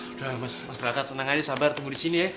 udah mas mas raka senang aja sabar tunggu di sini ya